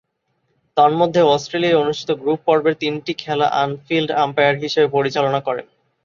তন্মধ্যে, অস্ট্রেলিয়ায় অনুষ্ঠিত গ্রুপ-পর্বের তিনটি খেলা অন-ফিল্ড আম্পায়ার হিসেবে পরিচালনা করেন।